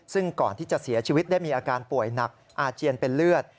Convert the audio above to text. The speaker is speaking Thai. ซึ่งก่อนที่จะเสียชีวิตได้มีอาการป่วยหนักอาเจียนเป็นเลือด